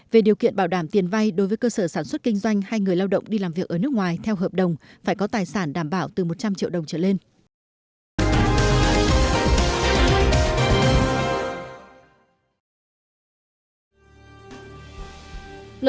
về điều kiện bảo đảm tiền vay đối với cơ sở sản xuất kinh doanh hay người lao động đi làm việc ở nước ngoài theo hợp đồng phải có tài sản đảm bảo từ một trăm linh triệu đồng trở lên